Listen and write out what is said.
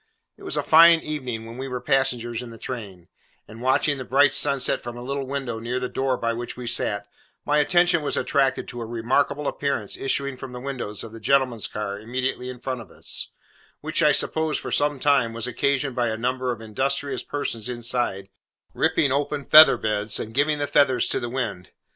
It was a fine evening when we were passengers in the train: and watching the bright sunset from a little window near the door by which we sat, my attention was attracted to a remarkable appearance issuing from the windows of the gentleman's car immediately in front of us, which I supposed for some time was occasioned by a number of industrious persons inside, ripping open feather beds, and giving the feathers to the wind.